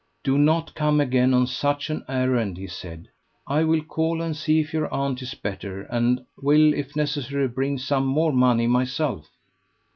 "Do not come again on such an errand," he said. "I will call and see if your aunt is better, and will, if necessary, bring some more money myself."